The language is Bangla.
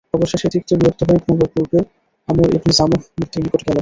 অবশেষে তিক্ত বিরক্ত হয়ে ঘুমাবার পূর্বে আমর ইবনে জামূহ মূর্তির নিকট গেল।